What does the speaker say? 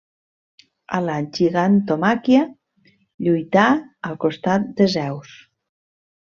A la Gigantomàquia lluità al costat de Zeus.